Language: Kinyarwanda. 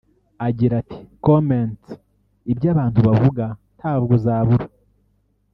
Agira ati “Comments (ibyo abantu bavuga) ntabwo zabura